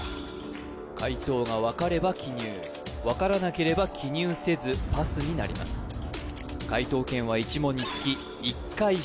解答が分かれば記入分からなければ記入せずパスになりますしかありません